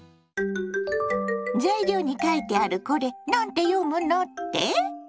材料に書いてあるこれ何て読むのって？